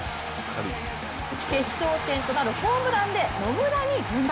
決勝点となるホームランで野村に軍配。